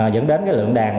dẫn đến cái lượng đàn